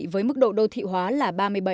với mức độ đô thị hóa là ba mươi bảy